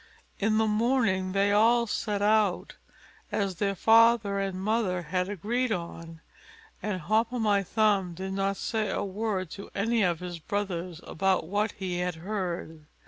In the morning they all set out, as their father and mother had agreed on; and Hop o' my thumb did not say a word to any of his brothers about what he had heard.